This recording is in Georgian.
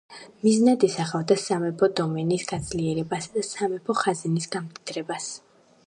მიზნად ისახავდა სამეფო დომენის გაძლიერებასა და სამეფო ხაზინის გამდიდრებას.